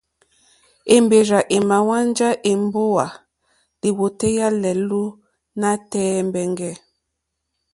Èmbèrzà èmà hwánjá èmbówà lìwòtéyá lɛ̀ɛ̀lú nǎtɛ̀ɛ̀ mbɛ̀ngɛ̀.